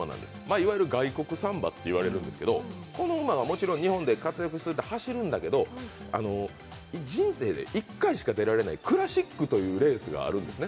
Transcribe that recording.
いわゆる外国産馬と言われる馬なんですけど日本で活躍していて走るんだけど、人生で１回しか出られないクラシックというレースがあるんですね。